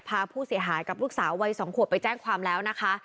พาผู้เสียหายกับลูกสาววัย๒ขวบไปแจ้งความแล้วนะคะ